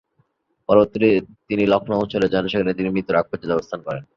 পরবর্তীকালে তিনি লখনউ চলে যান, সেখানে তিনি মৃত্যুর আগ-পর্যন্ত অবস্থান করেন।